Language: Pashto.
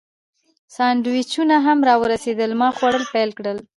سانډویچونه هم راورسېدل، ما خوړل پیل کړل.